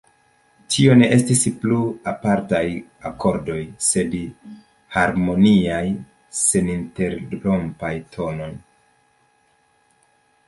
Tio ne estis plu apartaj akordoj, sed harmoniaj, seninterrompaj tonoj.